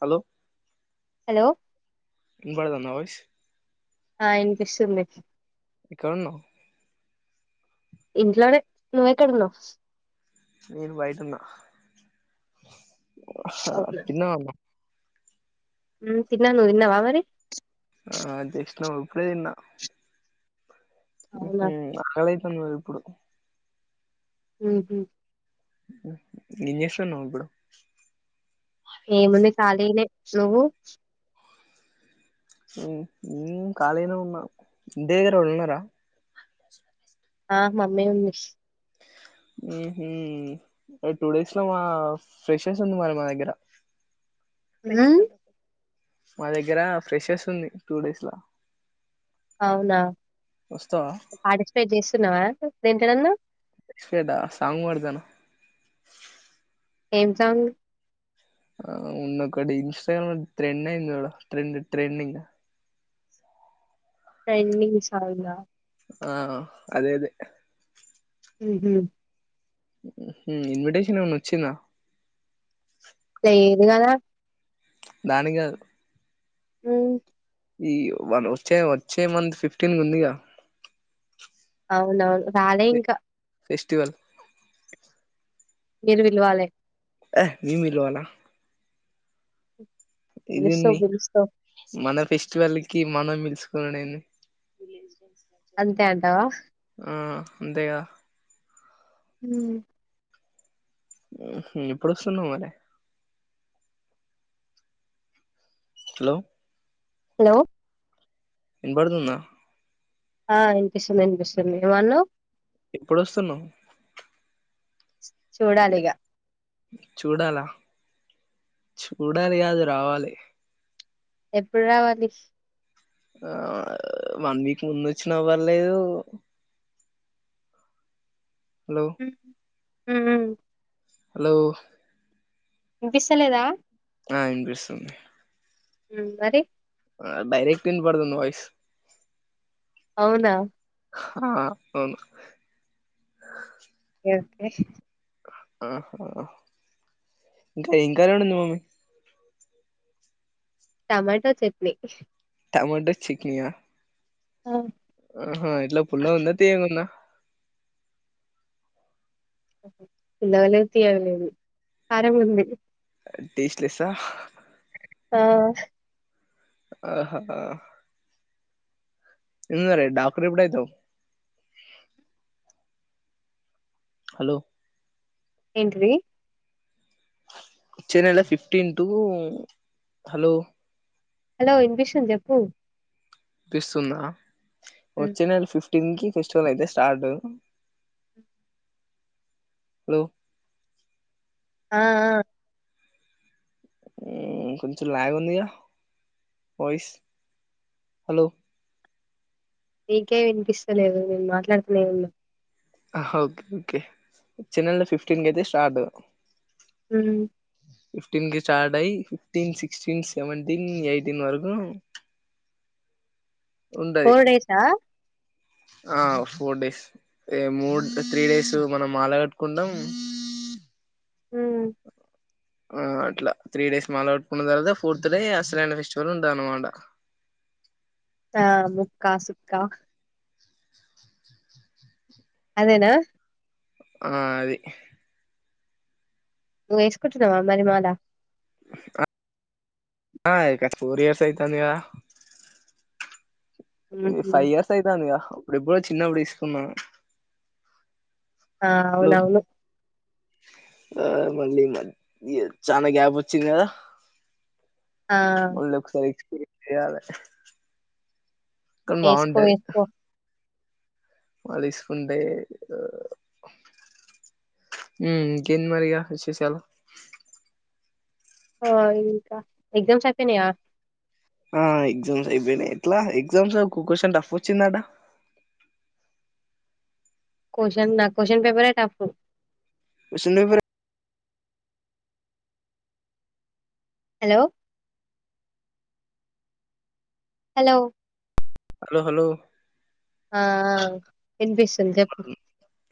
Hello hello వినపడుతందా voice ఆ వినిపిస్తుంది ఎక్కడున్నావ్ ఇంట్లోనే నువ్వు ఎక్కడున్నావ్ నేను బయటున్న హ తిన్నావా ఉ తిన్నానువ్ తిన్నావా మరి ఆ జస్ట్ నౌ ఇప్పుడే తిన్న మ్ హ అవునా అక్కలైతు ప్పుడు మ్ హు ఏం చేస్తున్నావ్ ఇప్పుడు ఏముంది కాలినే నువ్వు మ్మ్ హ్మ్ ఖాళీగనే ఉన్నా ఇంటి దగ్గర ఏవలన్న ఉన్నారా ఆ మమ్మీ ఉంది హ్మ్ హ్ ఏ టూ డేస్ లో మా ఫ్రెషెస్ ఉంది మరి మా దగ్గర మ్ ఫేస్ [unintelligible] మా దగ్గర ఫ్రెషర్స్ ఉంది టూ డేస్లా అవునా పార్టిస్పేట్ చేస్తున్నావా దేంట్లనన్నా ఎక్సపెట్ హ సాంగ్ పాడుతన ఏం సాంగ్ ఆ ఉంది ఒకటి ఇన్స్టాగ్రామ్ ట్రెండ్ అయింది చూడు ట్రెండ్ ట్రెండింగ్ ట్రెన్నింగ్ సాంగా ఆ అదే అదే మ్మ్ హ్ మ్మ్ హ్ ఇన్విటేషన్ ఏమన్న వచ్చిందా లేరు గదా దానిగాదు మ్మ్ ఈ వన్ వచ్చే వచ్చే మంత్ ఫిఫ్టీన్ ఉందిగా అవునవును రాలే ఇంకా ఫెస్టివల్ మీరు పిల్వాలే ఏ నేను పిల్వాల పిలుస్తావ్ ఇదేంది పిలుస్తావ్ మన ఫెస్టివల్ కి మనం పిలుస్కుడేది అంతే అంటావా ఆ అంతేగా హ్మ్ మ్మ్ హ్ ఎప్పుడు వస్తున్నావ్ మరి హలో హలో వినబడుతుందా ఆ ఇనిపిస్తుంది ఇనిపిస్తుంది ఏమన్నావ్ ఎప్పుడు వస్తున్నావ్ చూడాలిగా చూడాలా చూడాలి కాదు రావాలి ఎప్పుడు రావాలి ఆ వన్ వీక్ ముందొచ్చిన పర్లేదు హలో మ్ మ్ హలో ఇంపిస్తలేదా ఆ వినిపిస్తుంది మ్ మరి డైరెక్ట్ విన్ పడుతుంది వయిస్ అవునా ఆ అవును ఓకే ఆహా ఇ కైంకాలనుందు మామి టమాటో చట్నీ టమాటో చికనియా ఆ ఆహా ఇట్లా పుల్ల ఉంద తీకుంద పుల్లగా లెద్ తీయగా లెద్ కరంగా ఉంది టేస్ట్లెస్సా ఆ ఆహా ఎం మరి డాక్టర్ ఎప్పుడూయితావ్ హలో ఏంటిది వచ్చే నేల ఫిఫ్టీన్ టు హలో హలో ఇన్పిస్తుంది చెప్పు తీస్తున్నా ఉమ్ వచ్చే నేల ఫిఫ్ టీంకీ ఫెస్టివల్ అయితే స్టార్ట్ హలో ఆ ఆ మ్ కొంచం లాగ్ ఉంది గా వయిస్ హలో నీకే వినిపిస్తలేదు నేను మాట్లాడుతునే ఉన్నా ఓకే ఓకే వచ్చే నేల ఫిఫటీన్ కతే స్టార్ట్ మ్ ఫిఫ్టీన్ కి స్టార్ట్ అయి ఫిఫ్టీన్ సిక్స్టెన్ సెవెంటిన్ ఎయిటీన్ వరకు ఉంటది ఫోర్ డేసా ఆ ఫోర్ డేస్ ఏ మూడు త్రీ డేస్ మనం ఆలగట్టుకుంటాం. హ్మ్ ఆ అట్లా త్రీ డేస్ మాల అట్కున్న తర్వాత ఫోర్త్ డే అసలైన ఫెస్టివల్ ఉందన్నమాట ఆ ముక్కా సుక్కా అదేనా ఆ అది నువ్వ్ వేసుకుంటున్నావా మరి మాలా [unintelligible] ఆ ఇక ఫోర్ ఇయర్స్ అయితందిగా ఈ ఉహు ఫైవ్ ఇయర్స్ ఐతాన్దిగా ఇప్పుడిప్పుడో చిన్నప్పుడు దీసుకున్నా ఆ అవునవును ఆ మళ్ళీ మన్ చాలా గ్యాప్ వచ్చింది కదా ఆ మల్లొక్సారి ఎక్స్పీరియన్స్ ఇయ్యాలి ఎసుకో ఎతుకో వాల్దిస్కుంటే హ్మ్ ఇంకేంది మరి ఇగా విశేషాలు ఆ ఇంకా ఎగ్జామ్స్ అప్పనాయా ఆ ఎగ్జామ్స్ అయిపోయినాయి ఎట్లా ఎగ్జామ్స్ క్వశ్చన్ టఫ్ వచ్చిందాట క్వశ్చన్ నా క్వశ్చన్ పేపర్ టఫ్ క్వశ్చన్ పేపరే ఎ హలో హలో హలో హలో ఆ ఆ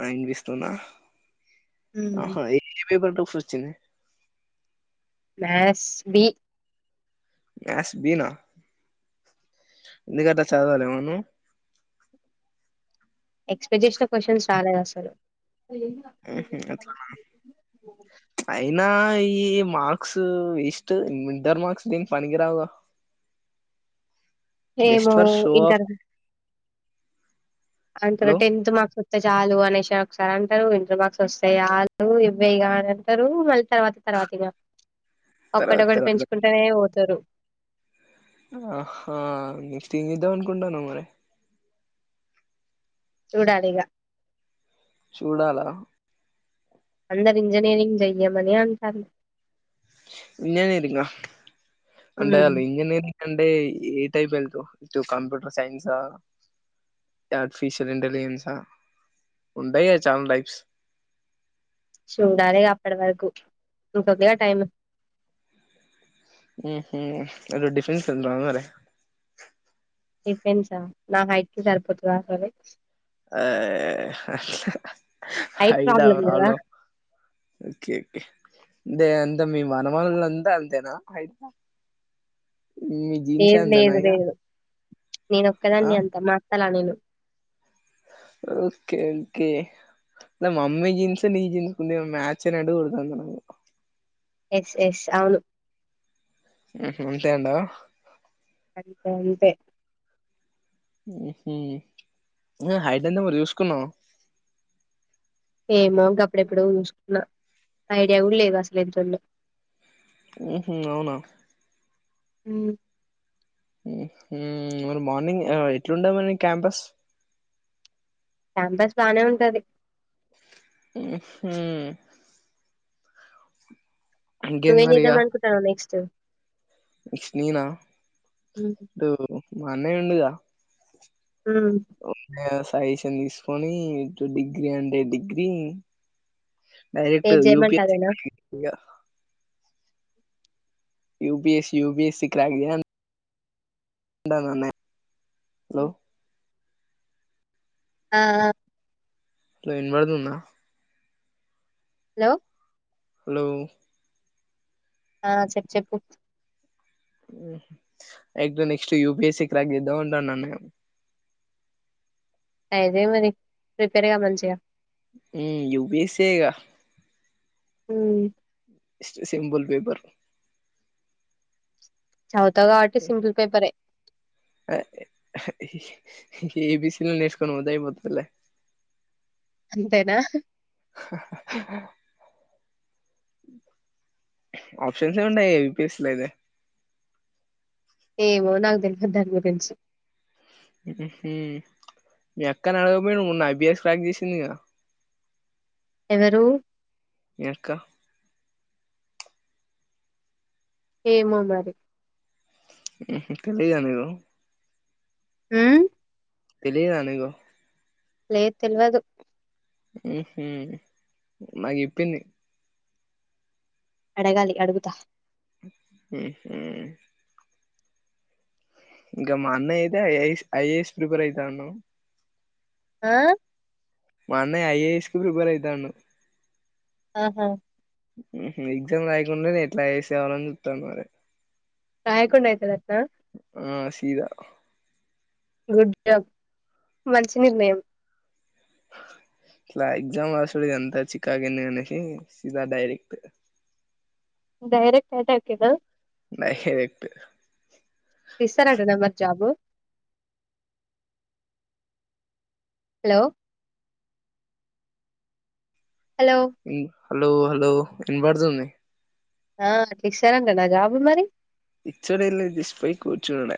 వినిపిస్తుందా ఆహా ఏమేం పట్టు [unintelligible] మాస్ బి మాథ్స్ బి నా మీదట చదవలేమా మనము ఎక్సపెక్ట్ చేసిన క్వశ్చన్స్ రాలె అసలు ఊహ్మ్ అయినా ఈ మార్క్స్ ఇస్ట్ ఇంటర్ మార్క్స్ నను పనికినికిరావు ఏమో ఇంటరు అంతర లో టెంత్ మార్క్స్ చాలు అనేసారు ఒకసారి అంటారు, ఇంటర్ బాక్స్ వస్తాయి చాలు ఇవ్వేయి కా అని అంటారు మళ్ళీ తర్వాత తర్వాత ఇగ తర్వాత ఒక్కడొక్కటి తర్వాత పెంచుకుంటానే తరు ఆహ నెక్స్ట్ ఏం చేద్దాం అనుకుంటున్నావు మరి చూడాలిగా చూడాలా. అందరు ఇంజనిరింగ్ జయేమని అంటారు. ఇంజనీరింగా అంటే ఉమ్, ఆల్ ఇంజనీరింగ్ ఆన్. అంటే ఏ టైప్ వెళ్తవ్ ఇటు కంప్యూటర్ సైన్సు, ఆర్టిఫిషియల్ ఇంటెలిజెన్సా ఉంటయ్ గదా చానా టైప్స్. చూడాలి అప్పడి వరకు. ఇంకుంది గా టైమ్. ఊహ్మ్ అదే డిఫెన్స్ ఉందా మరి. డిఫెన్సా నా హైట్ కి సరిపోతుందా ఆ కాలేజ్. హైట్ హైటా కదా ప్రాబ్లం ఓకే. అంతే అంతా మీ మనుమలు అంతా అంతేనా హైట్. లేదు లేదు లేదు నేను ఆ ఒక్కదాన్ని అంత మా అక్కల నేను. ఓకే ఓకే ఇగ మమ్మీ జీన్స్ నీ జీన్స్ కోంచం మ్యాచ్ అయినట్టు కొడుతుంది నాకు. ఎస్ ఎస్ అవును. ఊహ్మ్ అంతే అంటావా. ఇగ అంతే. ఊహ్మ్ నువ్వు హైటెంత మరి చూసుకున్నావా. ఏమో ఇంక అప్పుడెప్పుడు చూసుకున్నా ఐడియా కూడా లేదు అసలు ఎంతుందో. ఉమ్మ్ అవునా. ఉమ్ ఉమ్ మరి మార్నింగ్ ఎట్లా వుండే మరి క్యాంపస్. క్యాంపస్ బానే ఉంటది. ఉమ్ ఉమ్మ్. నువ్వు ఇంకేంది మరి ఇగ ఎంచేదమ్ అనుకుంటునవ్ నెక్స్ట్. ఆహ్. నెక్స్ట్ నేనా ఇపుడు మా అన్నయ్య ఉండుగా. ఉమ్ ఓ ఎస్. పైసన్ తీసుకొని ఇటు డిగ్రీ అంటే డిగ్రీ. డైరెక్ట్ ఏది యూపీ చేయమంటే హెచ్ అదేనా సింబల్ ఇగ. యూపిఎస్సి యుబిఎస్సి క్రాస్ చేయంగనే అంట అన్నయ్య. హాలో ఆహ్ వినపడుతుందా. హాలో హాలో ఆహ్ చెప్పు చెప్పు. At the next UPSC cross చేద్దామంటూనా నేను. అయితే మరి ప్రిపేర్ కా మంచిగా. ఉమ్ యూపిఎస్సే ఇగ. ఉమ్ ఇష్ట సింబల్ పేపర్ చదువుతా కాబట్టి సింపుల్ పేపరే ఏబీసీ లు నేర్చుకొని పోత అయిపోయేదిలే అంతేనా ఆప్షన్స్ ఏముండాయి ఏపిఎస్ లో అయితే ఏమో నాకు తెల్వాద్ దానిగురించి హ్మ్ హు హ్మ్ మీ అక్కని అడగపోరు మొన్న ఐబిఎస్ క్రాక్ చేసింది ఇక ఎవరు మీ అక్క ఏమో మరి హ్మ్ హు తెలియదా నీకు హ్మ్ తెలియదా నీకు లేదు తెల్యదు హ్మ్ హు మాక్ చెప్పింది అడగాలి అడుగుతా హ్మ్మ హు ఇంకా మా అన్నయ్య అయితే ఐఎస్ ఐఏఎస్ ప్రిపేర్ అయితాండు. ఆ మా అన్నయ్య ఐఏఎస్ కు ప్రిపేర్ అయితాండు ఆహా హ్మ్ మ్మ్ ఎగ్జామ్ లేయకుండా నేను ఎట్లా వేసేవాలని చూస్తాను మరి రాయకుండా ఐతది అట్నా ఇగా గుడ్ జాబ్ మనంచి నిర్ణయం ఇలా ఎక్జామ్ వసుడుది అంత చికగేనే అనేసి సీదా డైరెక్ట్ డైరెక్ట్ అట్రాక్ది న హకు తీస్తర్ అంటనా మరి job hello hello hello hello ఇనబడుతుంది ఆ స రంగా కా బి మరి ఇచ్చడల్ జిష్ పై కూచుడ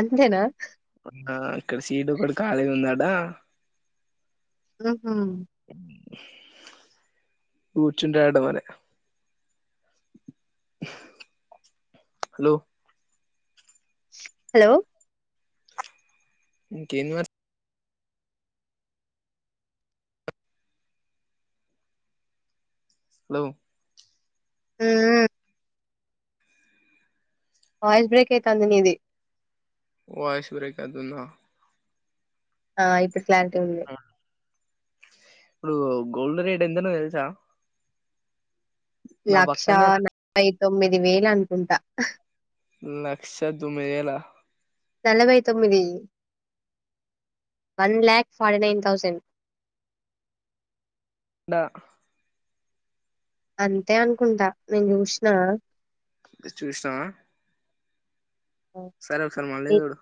అంతేనా ఆ ఇక్కడ సీట్ కూడా ఖాళీగా ఉందాడా ఆహ కూూచుంట అడ మనే హలో హలో ఇకేన్ వ హలో ఆ వాయిస్ బ్రేక్ అయి తందినేది ఐశ్వరయ కాదున్నా ఆ ఇప్పుట్లాడి ఇప్పుడు గోల్డ్ రేట్ ఎందనో తెలుసా నా లక్ష పక్కనే నై క్ తొమ్మిది వేలు అనుకుంటా లక్ష్య తొమ్మిది వేలా నలభై తొమ్మిది one lakh forty nine thousand డా అంతే అనుకుంటా నీను చూసినా చూసినవ సరే ఒకసారి మళ్ళీ నీ చూడు